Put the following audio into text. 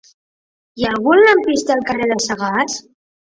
Hi ha algun lampista al carrer de Sagàs?